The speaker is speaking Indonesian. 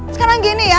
sekarang gini ya